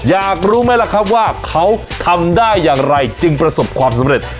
อยากรู้ไหมล่ะครับว่าเขาทำได้อย่างไรจึงประสบความสำเร็จ